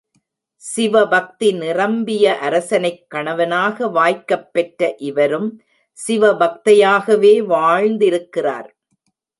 சிவபக்தி நிரம்பிய அரசனைக் கணவனாக வாய்க்கப்பெற்ற இவரும் சிவபக்தையாகவே வாழ்ந்திருக்கிறார்.